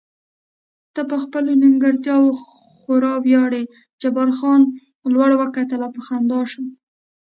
ته په خپلو نیمګړتیاوو خورا ویاړې، جبار خان لوړ وکتل او په خندا شو.